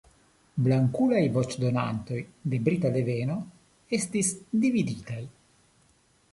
Blankulaj voĉdonantoj de brita deveno estis dividitaj.